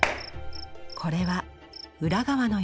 これは裏側の様子。